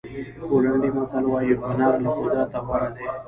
پولنډي متل وایي هنر له قدرت غوره دی.